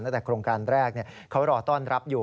ตั้งแต่โครงการแรกเขารอต้อนรับอยู่